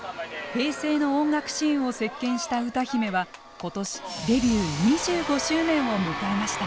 平成の音楽シーンを席巻した歌姫は今年デビュー２５周年を迎えました。